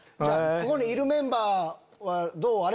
ここにいるメンバーはどう？